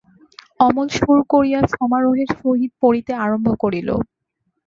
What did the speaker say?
অমল সুর করিয়া সমারোহের সহিত পড়িতে আরম্ভ করিল।